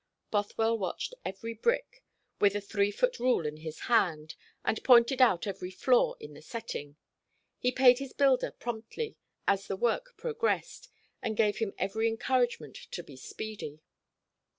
Bothwell watched every brick, with a three foot rule in his hand, and pointed out every flaw in the setting. He paid his builder promptly, as the work progressed, and gave him every encouragement to be speedy.